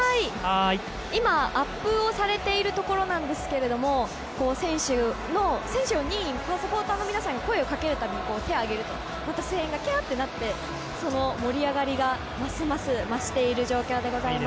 今、アップをされているところなんですが選手にサポーターの皆さんが声をかけるたびに手を上げるとまた声援がキャーッとなって盛り上がりがますます増している状況でございます。